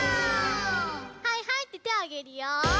はいはいっててをあげるよ！